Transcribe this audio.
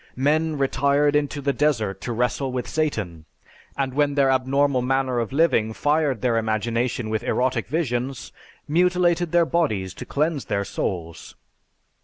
Men retired into the desert to wrestle with Satan, and when their abnormal manner of living fired their imagination with erotic visions, mutilated their bodies to cleanse their souls.